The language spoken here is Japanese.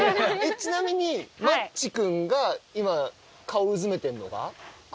ちなみにマッチ君が今顔をうずめてるのが？